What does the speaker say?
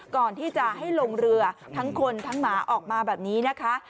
ก่อนที่จะให้ลงเรือทั้งคนทั้งหมาออกมาแบบนี้นะคะ